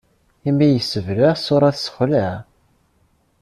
Imi yessebleɛ, ṣṣuṛa tessexlaɛ.